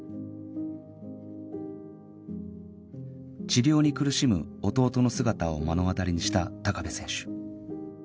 治療に苦しむ弟の姿を目の当たりにした部選手